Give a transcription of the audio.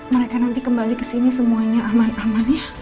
mereka nanti kembali kesini semuanya aman aman ya